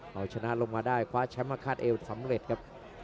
เอาชนะลงมาได้คว้าแชมป์มาคาดเอวสำเร็จครับ